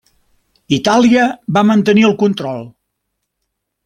Itàlia va mantenir el control.